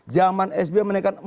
zaman sbm menaikkan empat ribu seratus